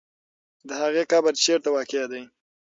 د هغې قبر چېرته واقع دی؟